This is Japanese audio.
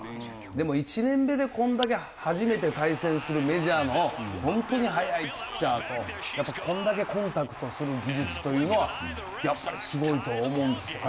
でも１年目でこれだけ初めて対戦するメジャーの本当に速いピッチャーとやっぱこれだけコンタクトする技術というのはやっぱりすごいと思うんですけどね。